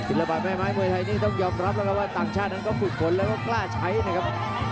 อิฐาบาลแม่ไม้มวยไทยนี้ต้องยอมรับว่าต่างชาติมันเป็นมีผลและกล้าใช้นะครับ